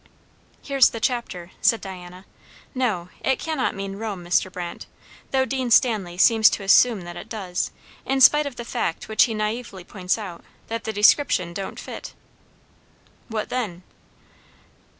"Here's the chapter," said Diana. "No, it cannot mean Rome, Mr. Brandt; though Dean Stanley seems to assume that it does, in spite of the fact which he naively points out, that the description don't fit." "What then?"